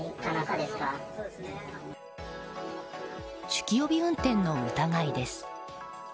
酒気帯び運転の疑いです。